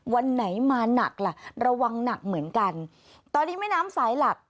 วันไหนมาหนักล่ะระวังหนักเหมือนกันตอนนี้แม่น้ำสายหลัก